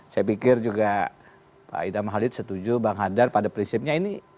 saya pikir juga pak idam halid setuju bang hadar pada prinsipnya ini